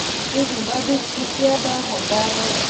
اے دُھندا بچ چُھپیا دا ہوندا ہے۔